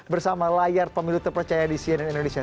bersama layar pemilu terpercaya di cnn indonesia